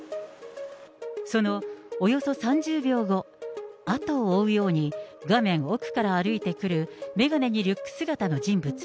そのおよそ３０秒後、後を追うように画面奥から歩いてくる、眼鏡にリュック姿の人物。